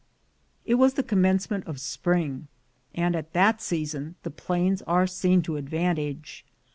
It was the commencement of spring, and at that season the plains are seen to advantage.